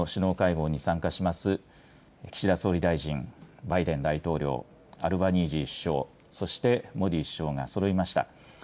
今回の首脳会合に参加します、岸田総理大臣、バイデン大統領、アルバニージー首相、そしてモディ首相がそろいました。